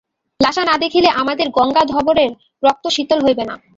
লাসা না দেখিলে আমাদের গঙ্গাধরের রক্ত শীতল হইবে না।